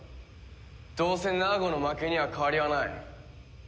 どうせナーゴの負けには変わりはない。